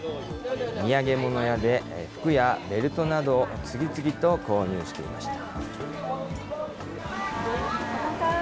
土産物屋で、服やベルトなどを次々と購入していました。